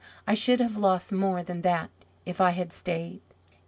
I should have lost more than that if I had stayed."